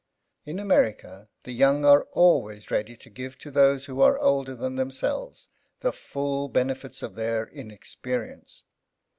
In America the young are always ready to give to those who are older than themselves the full benefits of their inexperience.